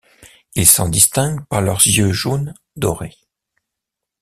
Ils s'en distinguent par leurs yeux jaune doré.